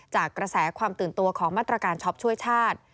จากกระแสความตื่นตัวของมาตรการช็อปช่วยชาติ